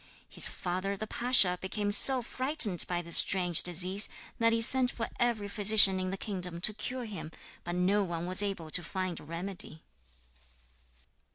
His father the pasha became so frightened by this strange disease, that he sent for every physician in the kingdom to cure him, but no one was able to find a remedy.